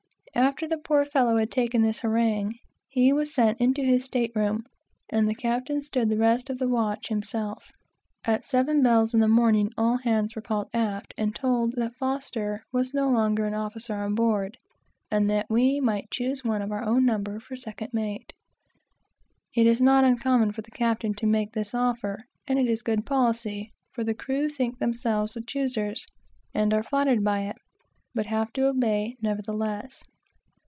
After the poor fellow had taken the harangue, he was sent into his state room, and the captain stood the rest of the watch himself. At seven bells in the morning, all hands were called aft and told that F was no longer an officer on board, and that we might choose one of our own number for second mate. It is usual for the captain to make this offer, and it is very good policy, for the crew think themselves the choosers and are flattered by it, but have to obey, nevertheless.